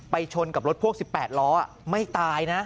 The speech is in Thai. ชนกับรถพ่วง๑๘ล้อไม่ตายนะ